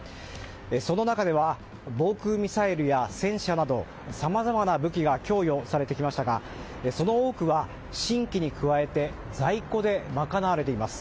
その中では防空ミサイルや戦車などさまざまな武器が供与されてきましたがその多くは新規に加えて在庫で賄われています。